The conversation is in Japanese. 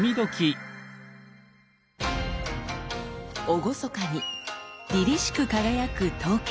厳かにりりしく輝く刀剣。